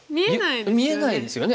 見えないですよね。